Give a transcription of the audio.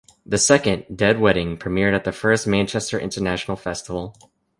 The second, "Dead Wedding" premiered at the first Manchester International Festival.